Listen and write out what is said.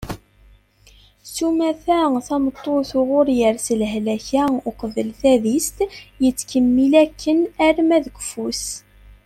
sumata tameṭṭut uɣur yers lehlak-a uqbel tadist yettkemmil akken arma d keffu-s